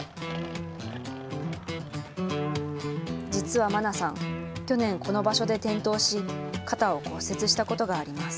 実は茉奈さん、去年、この場所で転倒し肩を骨折したことがあります。